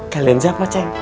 kalian siapa ceng